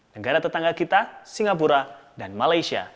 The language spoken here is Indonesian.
negara tetangga kita singapura dan malaysia